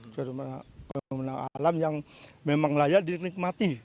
satu pemerintah alam yang memang layak dinikmati